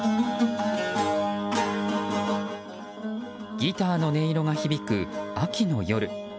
ギターの音色が響く秋の夜。